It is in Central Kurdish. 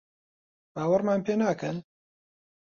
باوەڕمان پێ ناکەن؟